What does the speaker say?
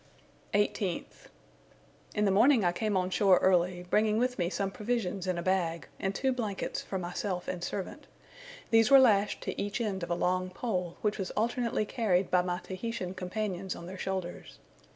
18th. In the morning I came on shore early, bringing with me some provisions in a bag, and two blankets for myself and servant. These were lashed to each end of a long pole, which was alternately carried by my Tahitian companions on their shoulders.